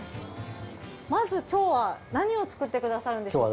まず今日は何を作ってくださるんでしょうか。